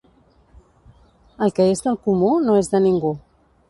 El que és del comú no és de ningú.